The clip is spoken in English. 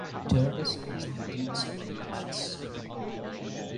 "Turdus" is the genus of the thrushes.